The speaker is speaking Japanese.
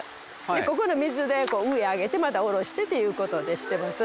ここの水で上上げてまた下ろしてっていう事でしてます。